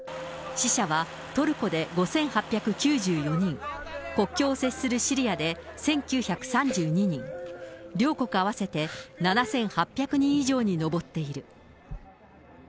死者はトルコで５８９４人、国境を接するシリアで１９３２人、両国合わせて７８００人以上に上っている。